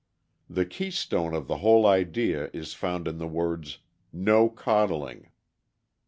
The key stone of the whole idea is found in the words: "No coddling."